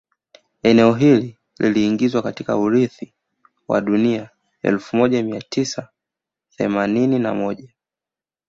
Eneo hilo liliingizwa katika urithi wa dunia elfu moja mia tisa themanini na moja